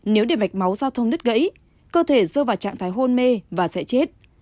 nếu để mạch máu giao thông nứt gãy cơ thể rơi vào trạng thái hôn mê và sẽ chết